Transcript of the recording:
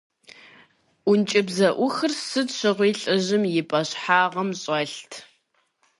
ӀункӀыбзэӀухыр сыт щыгъуи лӏыжьым и пӀэщхьагъым щӀэлът.